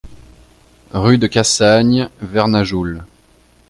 Rue de Cassagne, Vernajoul